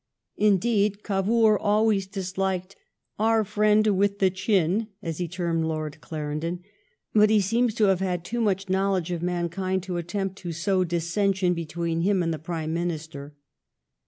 Indeed, Cavour always disliked " our friend with the chin," as he termed Lord Clarendon, but he seems to have had too much knowledge of mankind to attempt to sow dissension between him and the Prime Minister.